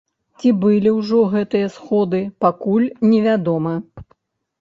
Ці былі ўжо гэтыя сходы, пакуль невядома.